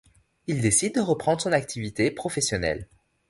Il décide de reprendre son activité professionnelle.